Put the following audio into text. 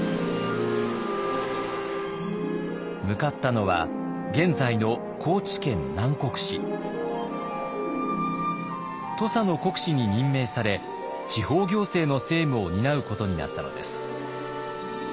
向かったのは現在の土佐の国司に任命され地方行政の政務を担うことになったのです。